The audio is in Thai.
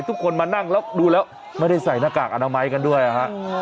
ทุกคนมานั่งแล้วดูแล้วไม่ได้ใส่หน้ากากอนามัยกันด้วยฮะ